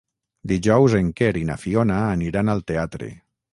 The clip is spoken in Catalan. Dijous en Quer i na Fiona aniran al teatre.